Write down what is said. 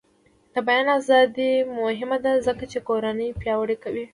د بیان ازادي مهمه ده ځکه چې کورنۍ پیاوړې کوي.